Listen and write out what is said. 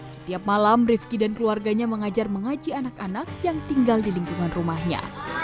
setiap malam rifki dan keluarganya mengajar mengaji anak anak yang tinggal di lingkungan rumahnya